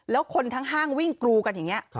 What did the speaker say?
แล้วคนทั้งห้างวิ่งกรูกันอย่างนี้